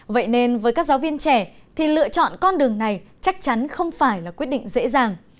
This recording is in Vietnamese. vậy nên với các giáo viên trẻ thì lựa chọn con đường này chắc chắn không phải là quyết định dễ dàng